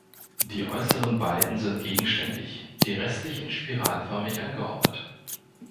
Die äußeren beiden sind gegenständig, die restlichen spiralförmig angeordnet.